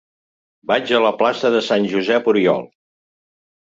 Vaig a la plaça de Sant Josep Oriol.